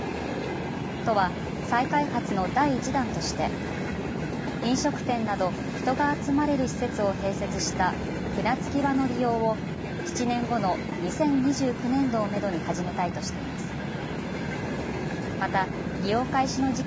都は再開発の第１弾として飲食店など人が集まれる施設を併設した船着き場の利用を７年後の２０２９年度をめどに始めたいとしています。